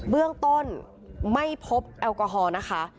เบื้องต้นไม่พบแอลกอฮอล์นะคะ